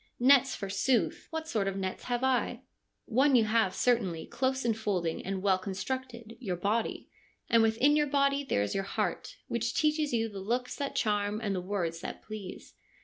1 Nets, forsooth ! What sort of nets have I ?' One you have certainly, close enfolding and well constructed, your body. And within your body there is your heart, which teaches you the looks that charm and the words that please.